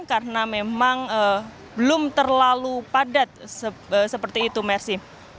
karena memang belum terlalu padat seperti itu merci